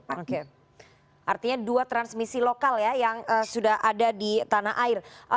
oke artinya dua transmisi lokal ya yang sudah ada di tanah air